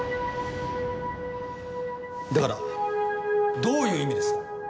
だからどういう意味ですか？